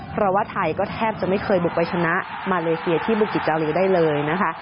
เพราะว่าไทยก็แทบจะไม่เคยบุกไปชนะมาเลเซียที่บุกิจจารีได้เลยนะคะ